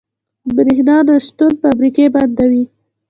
برښنا نشتون فابریکې بندوي.